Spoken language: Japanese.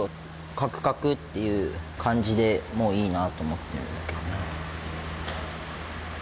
カクカクっていう感じでもいいなと思ってるんだけどね。